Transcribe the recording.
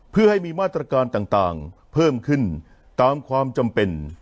เพื่อให้มีมาตรการต่างเพิ่มขึ้นตามความจำเป็น